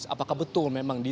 apakah betul memang dito